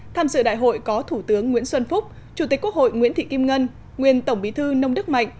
tham dự đại hội có thủ tướng nguyễn xuân phúc chủ tịch quốc hội nguyễn thị kim ngân nguyên tổng bí thư nông đức mạnh